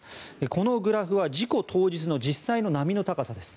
このグラフは事故当日の実際の波の高さです。